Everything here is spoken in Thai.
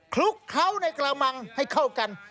คลุกเคล้าในกระมังให้เข้ากัน